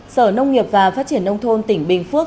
sở nông nghiệp và phát triển nông thôn tỉnh bình phước